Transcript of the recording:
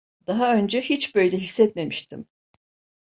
Daha önce hiç böyle hissetmemiştim.